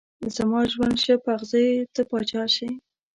زما ژوند شه په اغزيو ته پاچا شې